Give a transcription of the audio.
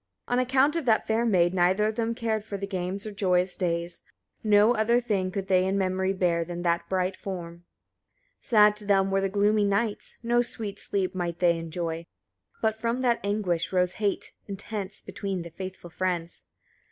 12. On account of that fair maid, neither of them cared for games or joyous days; no other thing could they in memory bear than that bright form. 13. Sad to them were the gloomy nights, no sweet sleep might they enjoy: but from that anguish rose hate intense between the faithful friends.